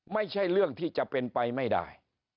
ไม่ใช่เรื่องที่จะเป็นไปไม่ได้